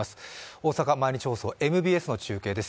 大阪毎日放送、ＭＢＳの中継です。